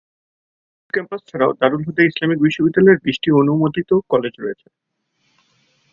মূল ক্যাম্পাস ছাড়াও দারুল হুদা ইসলামিক বিশ্ববিদ্যালয়ের বিশটি অনুমোদিত কলেজ রয়েছে।